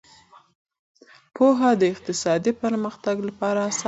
پوهه د اقتصادي پرمختګ لپاره اساس دی.